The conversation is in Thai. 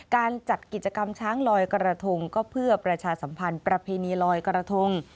การจัดกิจกรรมช้างลอยกระทงก็เพื่อประชาสัมพันธ์ประเพณีลอยกระทง